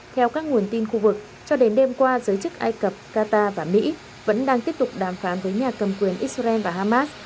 theo các nguồn tin khu vực cho đến đêm qua giới chức ai cập qatar và mỹ vẫn đang tiếp tục đàm phán với nhà cầm quyền israel và hamas